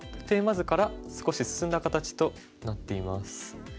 テーマ図から少し進んだ形となっています。